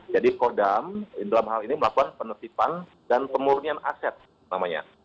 jadi kodam dalam hal ini melakukan penelitian dan pemurnian aset namanya